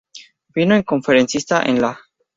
Fino es conferencista en la.